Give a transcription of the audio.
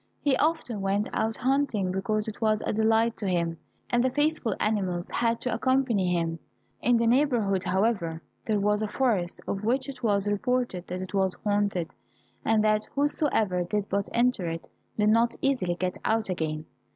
He often went out hunting because it was a delight to him, and the faithful animals had to accompany him. In the neighborhood, however, there was a forest of which it was reported that it was haunted, and that whosoever did but enter it did not easily get out again.